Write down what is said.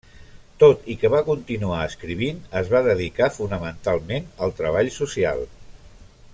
Tot i que va continuar escrivint, es va dedicar fonamentalment al treball social.